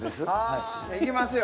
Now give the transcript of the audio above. いきますよ！